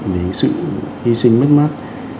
vì sự hy sinh mất mát